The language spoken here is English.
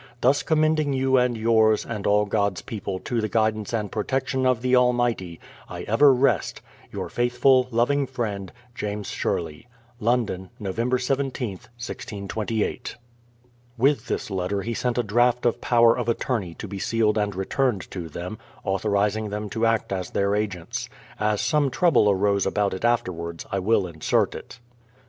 Thus commending you and yours and all God's people to the guidance and protection of the Al mighty, I ever rest. Your faithful, loving friend, London, Nov. 17th, 1628. JAMES SHERLEY. With this letter he sent a draft of power of attorney to be sealed and returned to them, authorizing them to act as their agents. As some trouble arose about it after wards, I will insert it.